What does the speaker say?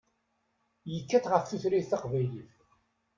Yekkat ɣef tutlayt taqbaylit.